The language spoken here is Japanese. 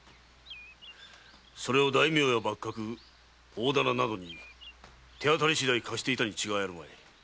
それを大名や幕閣大店などに手当たりしだい貸していたに違いあるまい。